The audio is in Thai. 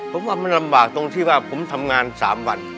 ผมว่ามันลำบากตรงที่ว่าผมทำงาน๓วัน